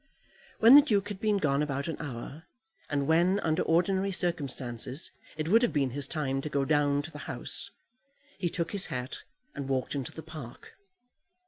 When the Duke had been gone about an hour, and when, under ordinary circumstances, it would have been his time to go down to the House, he took his hat and walked into the Park.